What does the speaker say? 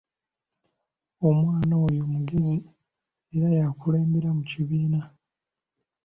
Omwana oyo mugezi era y’akulembera mu kibiina!